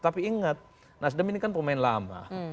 tapi ingat nasdem ini kan pemain lama